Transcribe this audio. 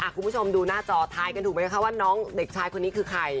คุณผู้ชมดูหน้าจอทายกันถูกไหมคะว่าน้องเด็กชายคนนี้คือใคร